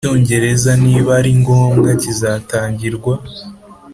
Icyongereza niba ari ngombwa kizatangirwa